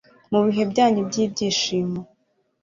mu bihe byanyu by ibyishimo